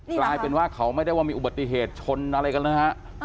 กลายเป็นว่าเขาไม่ได้ว่ามีอุบัติเหตุชนอะไรกันเลยฮะ